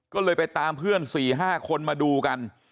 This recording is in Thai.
ก็เลยไปตามเพื่อน๔๕คนมาดูกัน